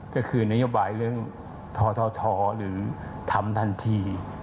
ก็คือนโยบายเรื่องททหรือทำทันที